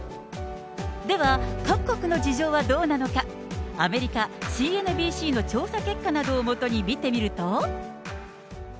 では各国の事情はどうなのか、アメリカ、ＣＮＢＣの調査結果などをもとに見てみると。